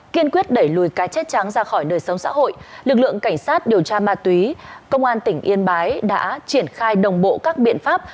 kiên quyết đẩy lùi cái chết trắng ra khỏi đời sống xã hội lực lượng cảnh sát điều tra ma túy công an tỉnh yên bái đã triển khai đồng bộ các biện pháp